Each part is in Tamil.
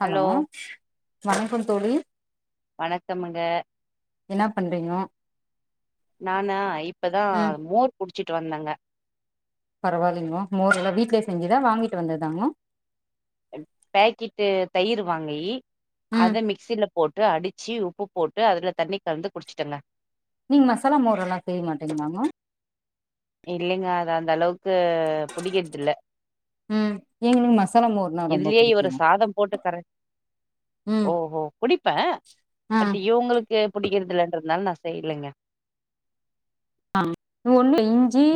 ஹலோ வணக்கம் தோழி வணக்கமுங்க என்னா பண்றீங்கோ நானா இப்பதா ம் மோர் குடி வச்சுட்டு வந்தங்க பரவாயில்லைங்கோ மோர் எல்லா வீட்லயே செஞ்சுதா வாங்கிட்டு வந்ததாங்க பேக்கெட்டு தயிரு வாங்கி ம் அத மிக்ஸிலப் போட்டு அடிச்சு உப்பு போட்டு அதுல தண்ணி கலந்து குடிச்சுட்டங்க நீங்க மசாலா மோரல்லா செய்ய மாட்டீங்கலாமா இல்லைங்க அத அந்த அளவுக்கு புடிக்கதுல்ல ம் எங்களுக்கு மசாலா மோர்னா ரொம்ப இதுலயே இவரு புடிக்குங்க சாதம் போட்டு கரக ம் ஓஹோ குடிப்பே ஆ பட் இவங்களுக்கு பிடிக்கதலன்றந்தால ந செய்லுங்க ஆஹ்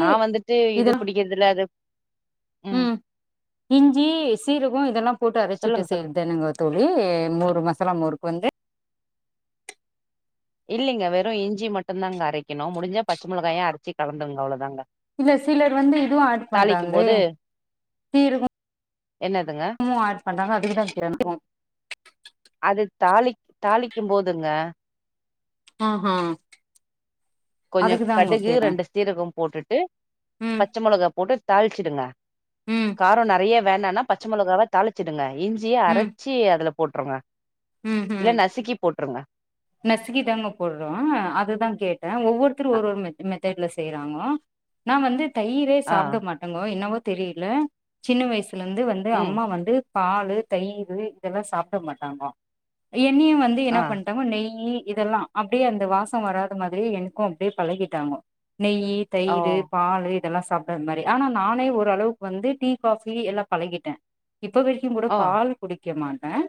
நா வந்துட்டு இது பிடிக்கிறதுல அது ம் உம் இஞ்சி சீரக இதெல்லாப் போட்டு அரைச்சிட்டு சொல்லுங்க சொல்லுங்க செய்யதானுங்க தோழி மோரு மசாலா மோரு வந்து இல்லலைங்க வெறு இஞ்சி மட்டுந்தாங்க அரைக்கணு முடிஞ்சா பச்ச மொளகாயா அரைச்சு கலந்துருங்க அவ்வளவுதாங்க இல்ல சிலர் வந்து இதுவு ஆட் பண்றாங்க போது சீருக்கு என்னதுங்க ஆட் கேட்டே அது தாளிக் தாளிக்கும் போதுங்க ஆஹ கொஞ்சொ கடுகு ரெண்டு சீரகம் போட்டுட்டு ம் பச்ச மொளகா போட்டு தாள்ச்சிடுங்க ம் காரொ நறைய வேண்டான்னா பச்ச மொளகாவ தாளிச்சிடுங்க இஞ்சிய ம் அரச்சி அதுலப் போட்ருங்க இல்ல நசுக்கி போட்ருங்க நசிக்கி தாங்க போட்றோ அதுதா கேட் ட ஒவ்வொருத்தரு அ ஒரு ஒரு மெத் தேர்ல செய்யறாங்க நான் வந்து தயிரே ஆ சாப்பிட மாட்டேங்கோ என்னவோ தெரியல சின்ன வயசு இல இருந்து வந்து அம்மா ம் வந்து பாலு தயிர் இதெல்லாம் சாப்பிட மாட்டாங்கோ எண்ணய வந்து என்ன ஆ பண்ணிட்டோங்க நெய் நெய் இதெல்லாம் அப்படியே அந்த வாசம் வராத மாதிரி எனக்கும் அப்படியே பழகிட்டாங்க நெய்யி ஓ தயிரு பாலு இதெல்லாம் சாப்பிடாது மாதிரி ஆனா நானே ஓரளவுக்கு வந்து டீ காபி எல்லாம் பழகிட்டேன் இப்ப வரைக்கும் கூட ஓ பால் குடி குடிக்க மாட்டேன்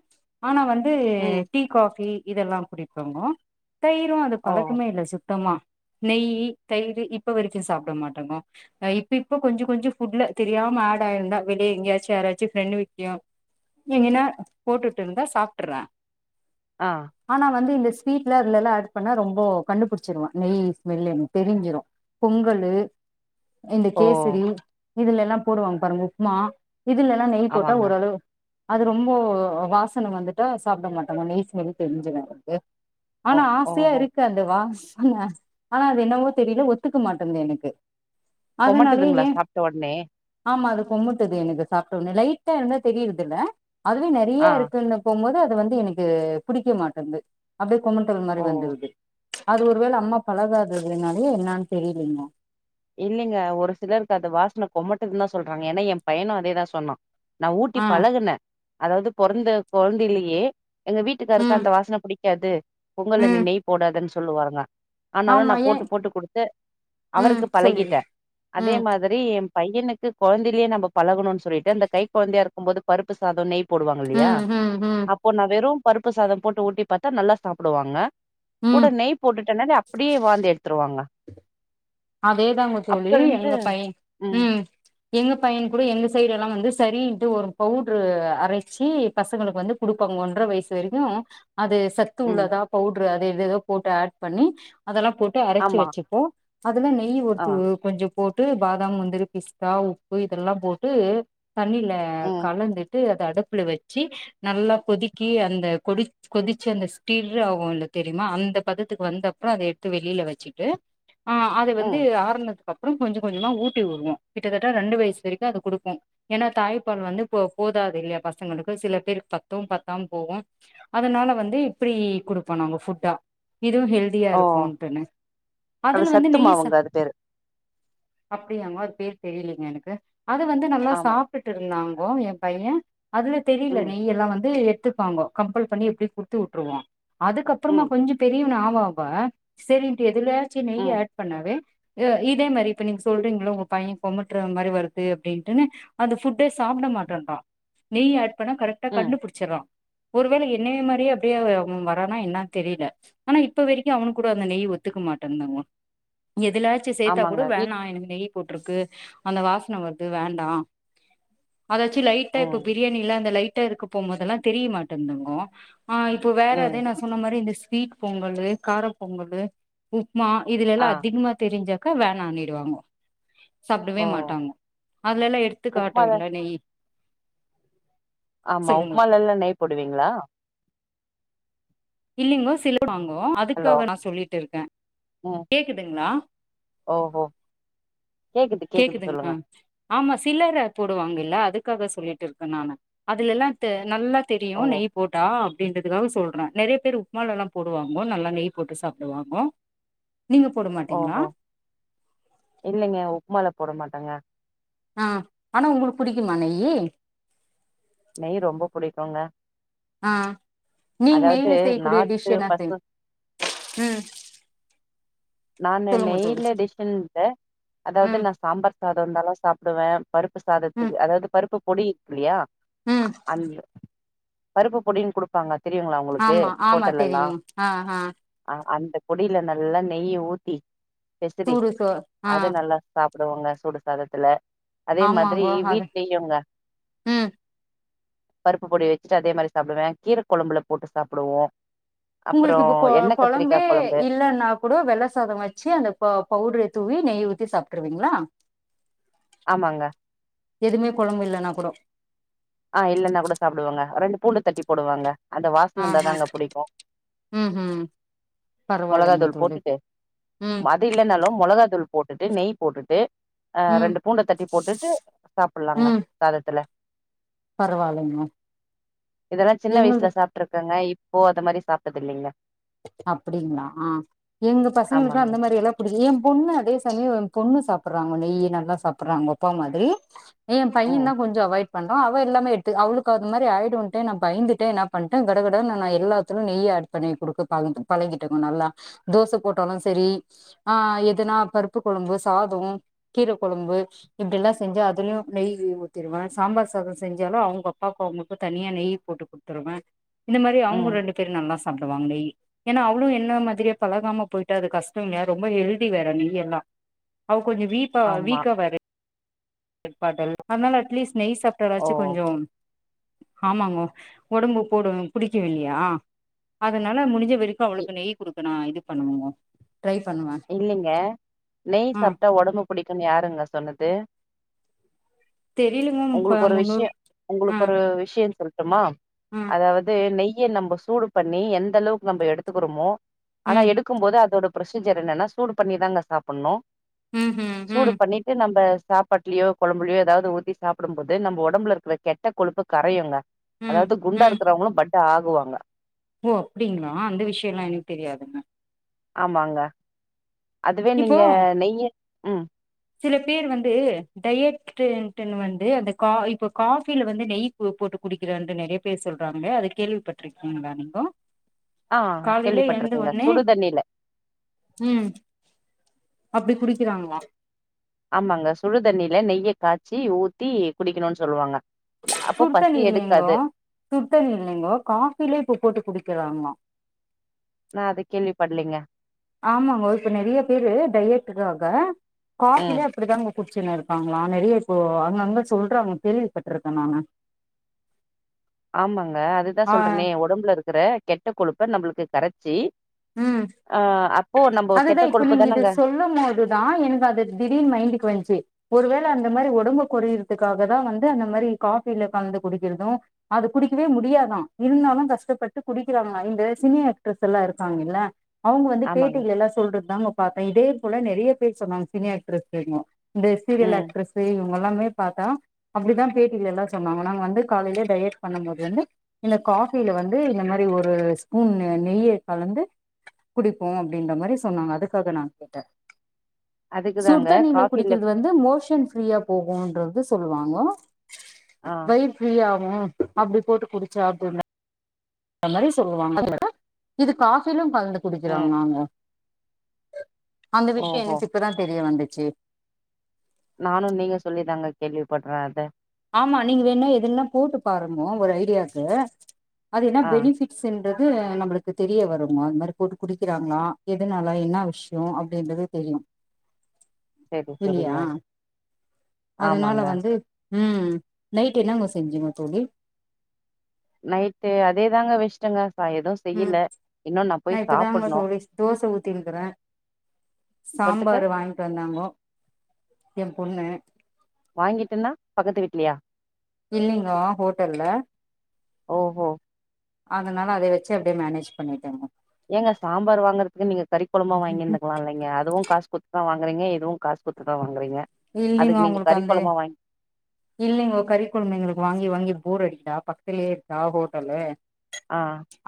ஆனா வந்து ம் டீ காபி இதெல்லாம் புடி ஹலோ தயிரும் அது ஓ பழக்கமே இல்ல சார் சுத்தமா நெய்யி தயிரு இப்ப வரைக்கும் சாப்பிட மாட்டேங்க இப்ப இப்ப கொஞ்சம் கொஞ்சம் ஃபுட்ல தெரியாம ஆட் ஆயிருந்தா வெளியே எங்கேயாச்சும் யாராச்சும் ஃப்ரெண்ட் வீட்டுலயும் எங்கன்னா போட்டுட்டு இருந்தா சாப்பிட்டுறேன் அ வந்து இந்த ஸ்வீட்ல அதுலல்லா ஆட் பண்ணா ரொம்ப கண்டுபுடுச்சிருவ நெய் ஸ்மெல் எனுக் தெரிஞ்சிரு பொங்கலு இந்து ஓ கேசுரி இதுலெல்லா போடுவாங்க பாருங்க உப்மா இதுலெல்லா நெய் போட்டா ஆமாங்க ஓரளவு அது ரொம்போ வாசன வந்துட்டா சாப்ட மாட்டாங்க நெய் ஸ்மெல்லு தெரிஞ்சுவ எ ஓ ஆனா ஆசையா ஓஹோ இருக்கு அது வா ஆன ஆனா அது என்னவோ தெரியல ஒத்துக்க மாட்டேங்குது எனக்கு அதனாலயே கொமட்டுதுங்களா ஏ சாப்ட்ட ஒடனே ஆமா அது கொமட்டது எனக்கு சாப்ட்ட ஒனே லைட்டா இருந்தா தெரியுறது இல்ல அதுவே நெறைய ஆ இருக்குன்னு போம்போது வந்து எனக்கு புடிக்க மாட்டேங்து அப்டி குமட்டல் மாரி ஓ வந்துருது அது ஒருவேள அம்மா பழகாததுனாலயே என்னன் தெரிலிங்க இல்லைங்க ஒரு சிலருக்கு அது வாசன கொமட்டுதுன்தா சொல்றாங்க ஏனா என் பையனு அதேதா சொன்னா நா ஊட்டி ஆ பழகுனே அதாவது பொறந்த கொழந்தைலயே எங்க வீட்டுக்காருக்கு ம் அந்த வாசன புடிக் காது பொங்கல்ல நெ ம் நெய் போடாதனு சொல்லுவாங்க ஆனாலு ஆமா நா ஏன் போட்டு போட்டு குடுத்து ம் அவருக்கு சொல்லுங்க பழகிட்ட அதே ம் மாதிரி பையனுக்கு கொழந்தைலயே நம்ப பழகுணுன் சொல்லிட்டு அந்த கை கொழந்தையா இருக் கும் போது பருப்பு சாதோ நெய் போடுவாங்க இல்லியா ம் ம் ம் அப்போ நா வெறும் பருப்பு சாதோ போட்டு ஊட்டி பாத்தா நல்லா சாப்புடுவாங்க ம் கூட நெய் போட்டுட்டேனாலே அப்டியே வாந்தி எடுத்துருவாங்க அதே தாங்க அப்ப தோழி இருந்து எங்க பைய ம் எங்க பையின் கூட எந்த சைட்டு எல்லா வந்து செரின்ட்டு ஒரு பவுட்டுரு அரைச்சி பசங்குளுக்கு வந்து குடுப்பாங்கு ஒன்டற வயிஸ் வெரிக்கோ அது சத்து ம் உள்ளதா பவுட்டுரு அ தே எதேதோ போட்டு அட் பண்ணி அதெல்லா போட்டு அரைச்சு ஆமா வெச்சுப்போ அதுல நெய் ஆ ஊத்து கொஞ்சோ போட்டு பாதாம் முந்திரி பிஸ்தா உப்பு இதெல்லா போட்டு தண்ணீல ம் கலந்துட்டு த அடுப்புல வெச்சு நல்லா கொதிக்கி அந்த கொடிச் கொதிச்சு அந்த ஸ்டிர் ஆவோல தெரியுமா அந்த பதத்துக்கு வந்தப்ரோ அத எத்து வெளில வெச்சுட்டு அ அத வந்து ம் ஆருணதது அதுக்கு அப்றோ கொஞ்சோ கொஞ்சோமா ஊட்டி உடுவோ கிட்டத்தட்ட ரெண்டு வயசு வரைக்கு அது குடுப்போ ஏன்னா தாய்ப்பால் வந்து போதாது இல்லையா பசங்களுக்கு சில பேருக்கு பத்து பத்தாம போவு அதனால வந்து இப்டி கொடுப்போ நாங்க ஃபுட்டா இதுவு ஹெல்தியா ஓ இருக்குட்டுன்னு அது சத்துமாவுங்க அது பேரு அப்டியாங்க அது பேரு தெரிலீங்க எனக்கு அது வந்து நல்லா ஆமா சாப்டுட்டு இருந்தாங்க ஓ என் பையன் அதுல தெரியல ம் நெய் எல்லா வந்து குடுத்துப்பாங்கோ கம்பல் பண்ணி எப்படியு குடுத்து உட்டுருவோ அதுக்கு அப்புறமா ம் கொஞ்சோ பெரிய ஆமாபா சேரின்ட்டு எதுல ச்ச ம் நெய்ய ஆட் பண்ணாவே அ இதே மாரி இப்ப நீங்க சொல்றீங்களோ உங்க பையன் கொமட்டுற மாரி வருது அப்டின்ட்டு அந்த ஃபுட்டே சாப்ட மாட்டேன்றான் நெய் ஆட் பண்ணா கரெக்டா ம் கண்டுபிடிச்சர்றா ஒருவேளை என்னைய மாரியே அப்டியே அவன் வரானா என்னான்னு தெரியல ஆனா இப்ப வெரைக்கு அவனுக்கு கூட அந்த நெய் ஒத்துக்க மாட்டங் ட்டென்னமா எதலாச்சு சேத்தா கூட ஆமாங்க வீட் வேணா எனக்கு நெய் போட்டுருக்கு அந்த வாசன வருது வேண்டா அதாச்சு லைட்டா இப்ப ம் பிரியாணி எல்லா அந்த லைட் கிட்ட இருக்கு போகு போதெல்லா தெரிய மாட்டேங்குதுமா ஆங் இப்ப வேற ம் அதே நா சொன்ன மாரி இந்த சு ஸ்வீட் பொங்கலு கார பொங்கலு ம் உப்புமா இதுல எல்லா ஆ அதிகமா தெரிஞ்சா க்க வேணான்னிடுவாங்கோ சாப்புடவே ஓ மாட்டாங்கோ அதுல எல்லா எடுத்து உப்மால காட்டவும்ல நெய் ஆமா சொல்லுங்க உப்புமால எல்லா நெய் போடுவீங்களா இல்லைங்கோ சிலுப்பாங்கோ ஹலோ இப்போ நா சொல்லிட்டு இருக்கே ம் கேக்குதுங்களா ஓஹோ கேக்குது கேக்குது கேக்குதுங்க சொல்லுங்க ஆமா சில்லரை போடுவாங்கல்ல அ அதுக்காக சொல்லிட்டு இருக்கே நானு அதுல்லா நல்லா ஓ தெரியு நெய் போட்டா அப்டின்றதுக்காக சொல்றே நறைய பேர் உப்புமால எல்லா போடுவாங்கோ நல்லா நெய் போட்டு சாப்புடுவாங்கோ நீங்க போட மாட்டீங்களா ஓஹோ இல்லைங்க உப்மால போட மாட்டாங்க ஆங் ஆனா உங்களுக்கு புடிக்குமா நெய்யி நெய் ரொம்ப புடிக்கும்ங்க ஆங் நீங்க நெய்ல செய்யக்கூடிய டிஷ் நாட்டு என்ன பசு செய்விங்க ம் நாங்க சொல்லுங்க தோழி நெய்ல டிஷ்னு இல்ல அதாவது ம் நான் சாம்பார் சாதம் எது இருந்தாலும் சாப்டுவேன் பருப்பு ம் சாதத்துக்கு அதாவது பருப்பு பொடி இருக்லயா ம் அல் பருப்பு பொடின்னு கொடுப்பாங்க தெரியுங்களா உங்களுக்கு ஆமா ஆமா ஹோட்டல்ல எல்லாம் தெரியுங்க ஆ ஆ அந்த பொடில நல்லா நெய்ய ஊ ஊத்தி சூடு ச ஆ விப்படுவங்க சுூடுசாதத்துல அதே மாதிரி ஆமாங்கோ அது வீட்லயங்க ம் பருப்பு பொடி வச்சிட்டு அதே மாதிரி பண்ணுவேன் கீரைக்குழம்புல போட்டு சாப்டுவோம் உங்களுக்கு இப்ப கு குழம்பே கொழம்பு இல்லைன்னா கூட வெல்ல சாதம் வச்சு அந்த பவுடரை தூவி நெய் ஊத்தி சாப்பிட்டுருவீங்களா ஆமாங்க எதுவுமே குழம்பு இல்லைனா கூடோ ஆ இல்லைன்னா கூட சாப்டுவங்க ரெண்டு பூண்டு தட்டி போடுவங்க அந்த வாசனை ஆ ஆ இருந்தாதாங்க புடிக்கும் ம் ம் மொளகா பரவாயில்லைங்க தூள் தோழி போட்டுட்டு ம் அது இல்லைன்னாலும் மொளகா தூள் போட்டதுநெய் போட்டுட்டு ஆ ம் ரெண்டு பூண்டை தட்டி போட்டுட்டு சாப்டலாங்க ம் சாதத்துல பரவாயில்லைங்க இதெல்லாம் சின்ன எங்கள்து வயசுல சாப்ட்டு இருக்காங்க இப் போவாத மாதிரி சாப்ட்டது இல்லைங்க அப்படிங்களா ஆ எங்க பசங்களுளக்கு ஆமாங்க அந்த மாரி எல்லாம் குடி என் பொண்ணு அதே சமயம் பொண்ணு சாப்பிடுறாங்க நெய் நல்லா சாப்பிடறாங்க அவ அப்பா மாதிரி என் பையன் ம் தான் கொஞ்ச அவாய்ட் பண்ரா அவ இல்லாம எப் அவளுக்கு அது மாதி ஆயிடும்டே நான் பயந்துட்டன் என்ன பண்ட்டேன் கடகட நான் எல்லாத்திலேயும் நெய் ஆட் பண்ணி கொடுக்க பழ பழகிட்டங்க நல்லா தோசை போட்டாலும் சரி ஆ எதுனா பருப்பு குழம்பு சாதம் கீரை குழம்பு இப்படி எல்லாம் செஞ்சு அதுலயும் நெய் ஊத்திிருவேன் சாம்பார் சாதம் செஞ்சாலும் அவங்க அப்பாக்கு அவங்களுக்கு தனியா நெய் போட்டு குடுத்துருவேன் இந்த மரி அவுங்க ம் ரெண்டு பேரு நல்லா சாப்டுவாங்க நெய் ஏன்னா அவ்ளு என்ன மாத்ரியே பழகாம போயிட்டு அது கஷ்டம் ய ரொம்ப ஹெல்த்தி வேற நெய் எல்லா அவ் கொஞ்சோ வீப்பா ஆமா வீக்கா வேற [unintelligible] அதனால அட்லீஸ்ட் நெய் ஓ சாப்பிட்டாலாச்சு கொஞ்சோ ஆமாங்க உடம்பு போடு குடிக்கவில்லையா அதனால முடிஞ்ச இப்ப இருக்க அவளுக்கு நெய் குடுக் இப்ப நா இது பண்ணுவோ இல்லிங்க நெய் ஆ சாப்ட்டா ஒடம்பு புடிக்குனு யாருங்க சொன்னது தெரிலங்க இப்ப உங்களுக்கு ஒரு முன்னூறு விஷயோ ஆ உங்களுக்கு ஒரு விஷயோ சொல்ல மா ஆ அதாவது நெய் நம்ம சூடு பண்ணி எந்த அளவுக்கு நம்ம எடுத்துக்கிறோமோ ஆனா ம் எடுக்கும் போது அதோட ப்ரசில் ஜர் என்னன்னா சூடு பண்ணிதாங்க சாப்புட்ணு ம் ம் சூடு ம் பண்ணிட்டு நம்ப சாப்பாட்லியோ கொழம்புலியோ ஏதாவ்து ஊத்தி சாப்புடும்போது நம் ஒடம்புல இருக்குற கெட்ட கொழுப்பு கரையோங்க ம் அதாவ்து குண்டா ம் இருக்குறவுங்ளு பட் ஆகுவாங்க ஓ அப்டிங்களா அந்த விஷய எல்லா எனக்கு தெரியாதுங்க ஆமாங்க அதுவே இப்போ நீங்க நெய்ய அ சில பேர் வந்து டயட்டுன்ட்டுன் வந்து அந்த இப்ப காஃபில வந்து நெய் போ போட்டு குடிக்கிறன்டு நெறைய பேர் சொல்றாங்க அது கேள்விப்பட்ருக்கிங்ளா நீங்கோ ஆ காலையில எழுந்த கேள்விப்பட்ருக்கங்க ஒட்னே சுடுதண்ணில அப்படி குடிக்கிறாங்ளா ஆமாங்க சுடுதண்ணில நெய்ய காச்சி ஊத்தி குடிக்கணுனு சொல்லுவாங்க அப்போ பசி சுடுதண்ணி இல்லேங்கோ எடுக்காது சுடுதண்ணி இல்லேங்கோ காஃபிலே இப்ப போட்டு குடிக்கிறாங்கோ நா அது கேள்விபடுலிங்க ஆமாங்கோ இப்ப நெறையா பேரு டயட்டுக்காக ம் காஃபில அப்படித்தாங்க குடிச்சினு இருக்காங்ளா நெறைய இப்போ அங்கங்க சொல்றாங்க கேள்விப்பட்ருக்கே நானு ஆமாங்க அதுதா ஆ சொல்றனே ஒடம்புல இருக்கிற கெட்ட கொழுப்ப நம்மளுக்கு கரைச்சி ம் கெட்ட அதுதான் இப்ப கொழுப்பு நீங்க இது தானங்க சொல்லும் போதுதான் எனக்கு அது திடீர் மைண்டுக்கு வந்துச்சு ஒருவேளை அந்த மாதிரி உடம்பு குறையறதுக்காக தான் வந்து அந்த மாதிரி காஃபில கலந்து குடிக்கிறதும் அது குடிக்கவே முடியாதான் இருந்தாலும் கஷ்டப்பட்டு குடிக்கிறாங்க இந்த சினி ஆக்ட்ரஸ் எல்லாம் இருக் இருப்பாங்கல்ல அவங்க வந்து ஆமாங்க பேட்டிகள் எல்லாம் சொல்றது தாங்க பார்த்தேன் இதே நிறைய பேர் சொன்னாங்க சினி ஆக்டரஸ்க்கும் இந்த சீரியல் ம் ஆக்ட்ரஸு எல்லாமே பாத்தா அப்படி தான் பேட்டியில எல்லா சொன்னாங்க நாங்க வந்து காலையிலேயே டயட் பண்ணும் போது இந்த காஃபியில வந்து ஒரு ஸ்பூன் நெய்ய விட் கலந்து குடிப்போம் அப்படின்ற மாதிரி சொன்னாங்க அதுக்காக நான் கேட்டேன் அதுக்குதாங்க சுடுதண்ணில காஃபில குடிக்கிறது வந்து மோஷன்ஸ் ஃப்ரீயா போகும்ன்றது சொல்லுவாங்க ஆ வயிறு ஃபிரியாகும் ம் அப்படி போட்டு குடிச்சா அப்படின் நல்லாவே சொல்லுவாங்க இது காஃபிலும் கலந்து ம் குடிக்கிறாங்கா அவங்க [unintelligible] அந்த விஷயம் ஓஹோ எனக்கு இப்பதான் தெரிய வந்தது சேரி நானு நீங்க சொல்லி தாங்க கேள்வி பட்ற அத ஆமா நீங் வேன்ணா எதுன்னா போட்டு பாரும்மோ ஒரு ஐடியாக்கு அது என்னா ஆ பெனிபி்ட்ஸ்ன் ருது நம்பளுக்கு தெரிய வரும்மு அது மாரி போட்டு குடிக்கிறாங்ளா எதுனாலா என்னா விஷ்யோ அப்டின்றது தெரியு செரி இல்லியா செரிங்க அதனால ஆமாங்க வந்து ம் நைட் என்னாங்கோ செஞ்சிங்கோ தோழி நைட்டு அதே தாங்க வெஷ்ட்டங்க ம் நா இப்பதாங்க சாப்புட்ணு தோழி தோச ஊத்தின்க்குற தொட்டுக்க சாம்பரு வாய்ட்டு வந்தாங்கோ எ பொண்ணு வாங்கிட்டுன்னா பக்கத்து வீட்லியா இல்லிங்கோ ஹோட்டல்ல ஓஹோ அதுனால அதே வச்சு அப்டே மேனேஜ் பண்ணிட்டங்கோ ஏங்க சாம்பார் வாங்குறத்க்கு நீங்க கறி கொழம்பா வாங்கிந்துக்லா இல்லைங்க அதுவு காஸ் குத் தா வாங் குறீங்க எதுவு காஸ் குத்துதா வா இல்லிங்கோ அவுங்ளுக்கு அந்தே வாங்கி இல்லிங்கோ கறிக் கொழம்பு எங்களுக்கு வாங்கி வாங்கி போர் அடிக்ட்டா பக்த்துலே இருக்கா ஹோட்டலு ஆ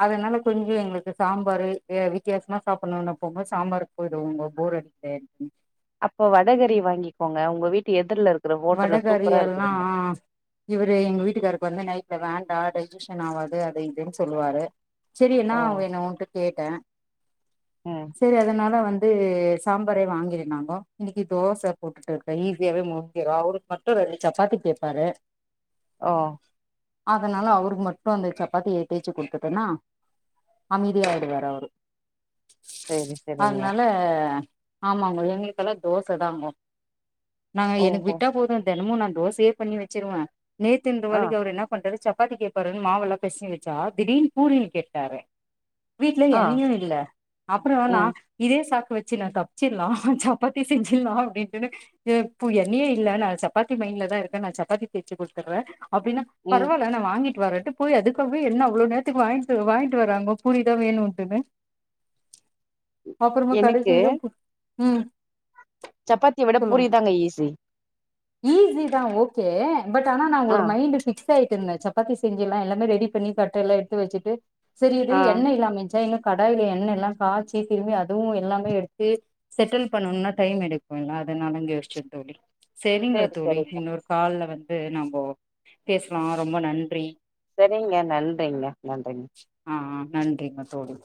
அதனால கொஞ்சு எங்ளுக்கு சாம்பாரு வித்யாசமா சாப்புட்ணுன் அப்போங்கோ சாம்பாருக் போய்டுவோங்க போர் அடிக்தே அப்போ வடகறி வாங்கிக்கோங்க ஒங்க வீட்டு எதுர்லருக் வடகார எல்லா இவுரு எங் வீட்டுக்காருக்கு வந்து நைட்ல வேண்டா டை ஷிஷன் ஆவாது அத இதன் சொல்லுவாரு செரி என்னா ஓ வேணு ஒன்ட்ட கேட் ட ம் சேரி அதனால வந் து சாம்பாரே வாங்கிருந்தாங்கோ இன்னிக்கி தோச போட்டுட்டு இருக்க ஈஸியாவே முற் அவுருக் மட்டு ரெண்டு சப்பாத்தி கேப்பாரு ஒ அதனால அவுருக் மட்டு அந்த சப்பாத்தியே தேச்சு குடுத்துட்டேன்னா அமைதிய ஆயிடுவார் அவுரு செரி செரிங்க அத்னால ஆமாங்கோ எங்ளுக்கெல்லா தோச தாங்கோ நாங்க எனக் ஓஹோ வி தெனமு நா தோசயே பண்ணி வெச்சிருவ நேத்து இந்த ஆ வேலக்கு அவுரு என்னா பண்றாரு சப் சப்பாத்தி கேட்பாருன்னு மாவல்லா பிரஞ்சிச வெச்சா திடீர்னு பூரினு கேட்டாரு வீட்ல ஆ எண்னணெயு இல்ல அப்புறோ நா ம் இதே சாக் வெச்சு நா தப்சிடலா சப்பாத்தி செஞ்ட்லா அப்டின்னு செல்லி எப்பயோ எண்ணய இல்ல நா சப்பாத்தி மைன்ல தா இருக்கே நா சப்பாத்தி தேச்சி குடுத்துட்றே அப்டினா ம் பரவாயில்ல நா வாங்கி வரேன்ட்டு போய் அதுக்கவே எண்ண அவ்வளோ நேரத்துக்கு வாங்கிட்டு வாங்கிட்டு வராங்க பூரிதா வேணு அப்டின்னு அப்புறோமா எனக்கு கடைசில உம் சப்பாத்திய விட பூரி தாங்க ஈசி ஈஸி தா ஓகே பட் ஆனா நா ஆ ஒரு மைண்ட் பிக்ஸ் க்ஸ் ஆயிட்டே நா சப்பாத்தி செஞ்சல்லா எல்லாமே ரெடி பண்ணி கட்டயல்ல எடுத்து வெச்சிட்டு சேரியியுது ஆ எண்ணெ இல்லாம இருந்துச்சா கடாயில எண்ணல்லா காய்ச்சி திரும்பயு அதுவு எல்லாமே எடுத்து செட்டில் பண்ணும்னா டைம் எடுக்கும் இல்ல அதனால யோசிச்ச தோழி சேரிங்க சேரி தோழி சேரிங்க இன்னொரு கால்ல வந்து த்து நம்போ பேசலா ரொம்ப நன்றி சேரிங்க நன்றிங்க நன்றிங்க ஆ நன்றிங்க தோழி